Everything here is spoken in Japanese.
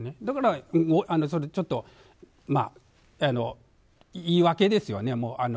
だからちょっと言い訳ですよね。